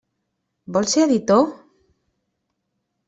Vols ser editor?